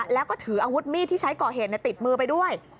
แล้วก็ถืออาวุธมีดที่ใช้ก่อเหตุติดมือไปด้วย